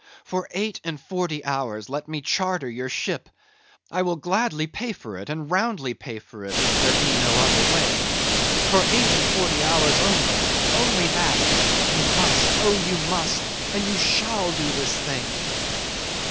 "For eight and forty hours let me charter your ship—I will gladly pay for it, and roundly pay for it—if there be no other way—for eight and forty hours only—only that—you must, oh, you must, and you shall do this thing."